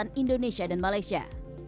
dengan indonesia dan malaysia